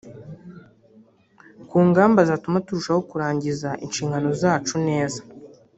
ku ngamba zatuma turushaho kurangiza inshingano zacu neza